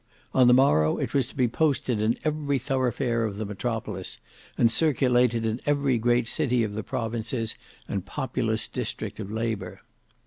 On the morrow it was to be posted in every thoroughfare of the metropolis, and circulated in every great city of the provinces and populous district of labour.